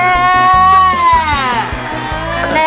นั่นแน่